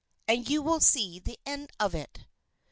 And you will see the end of it."